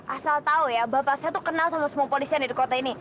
asal tau ya bapak saya tuh kenal sama semua polisian di kota ini